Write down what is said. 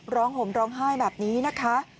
ห่มร้องไห้แบบนี้นะคะ